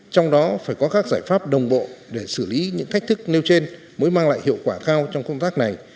trong đó phải có các giải pháp đồng bộ để xử lý những thách thức nêu trên mới mang lại hiệu quả cao trong công tác này